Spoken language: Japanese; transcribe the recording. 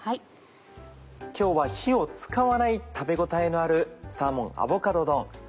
今日は火を使わない食べ応えのあるサーモンアボカド丼。